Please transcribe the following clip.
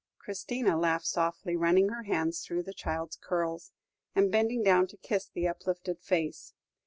Christina laughed softly, running her hands through the child's curls, and bending down to kiss the uplifted face.